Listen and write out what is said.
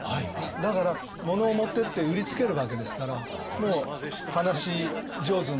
だから物を持ってって売りつけるわけですからもう話上手になるわけですよね。